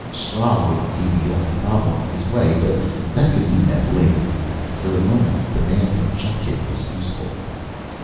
Sra would be the only problem in his way. But that could be met later. For the moment, the man from Chumkt was useful.